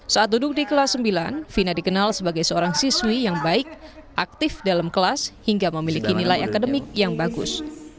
saat duduk di kelas sembilan fina dikenal sebagai seorang siswi yang baik aktif dalam kelas hingga memiliki nilai akademik yang bagus